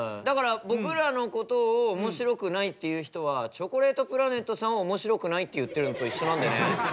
だから僕らのことを「おもしろくない」って言う人はチョコレートプラネットさんを「おもしろくない」って言ってるのと一緒なんでね。